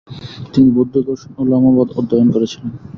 তিনি বৌদ্ধ দর্শন ও লামাবাদ অধ্যয়ন করেছিলেন।